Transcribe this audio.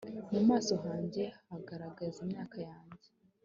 mu maso hanjye hagaragaza imyaka yanjye